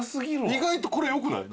意外とこれよくない？